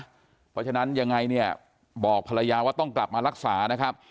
เพราะฉะนั้นยังไงเนี่ยบอกภรรยาว่าต้องกลับมารักษานะครับ